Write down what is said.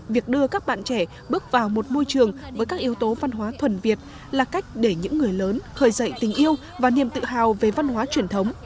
việc đưa các bạn trẻ bước vào một môi trường với các yếu tố văn hóa thuần việt là cách để những người lớn khởi dậy tình yêu và niềm tự hào về văn hóa truyền thống